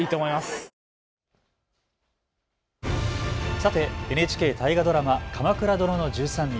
さてＮＨＫ大河ドラマ、鎌倉殿の１３人。